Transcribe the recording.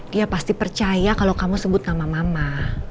dia pasti percaya kalau kamu sebut nama mama